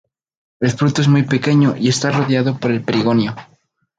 El fruto es muy pequeño, y está rodeado por el perigonio.